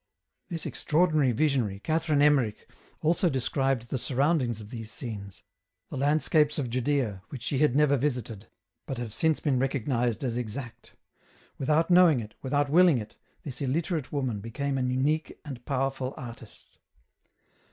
This extraordinary visionary, Catherine Emmerich, EN ROUTE. 141 also described the surroundings of these scenes, the land scapes of Judaea, which she had never visited, but have since been recognized as exact ; without knowing it, without willing it, this illiterate woman became an unique and powerful artist.